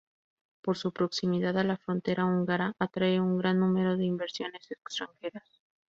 Por su proximidad a la frontera húngara atrae un gran número de inversiones extranjeras.